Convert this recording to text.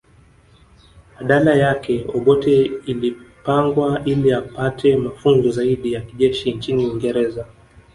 Badala yake Obote ilipangwa ili apate mafunzo zaidi ya kijeshi nchini Uingereza